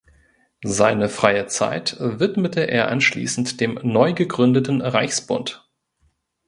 Seine freie Zeit widmete er anschließend dem neugegründeten Reichsbund.